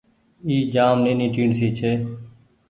اي جآم نيني ٽيڻسي ڇي۔